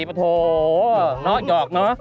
ปะโถหยอกเนอะ